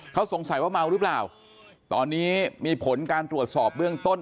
เขาสงสัยว่าเมาหรือเปล่าตอนนี้มีผลการตรวจสอบเบื้องต้น